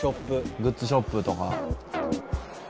グッズショップとか。